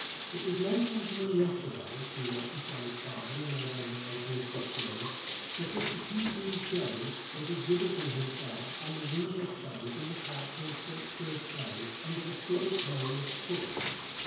"It was mentioned to me yesterday," he wrote to Shelley's father in November, 1815, "that Mr. P.B. Shelley was exhibiting himself on the Windsor stage in the character of Shakespeare's plays, under the figured name of Cooks."